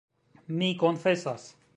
Mi konfesas.